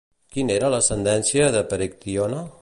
Quina era l'ascendència de Perictione?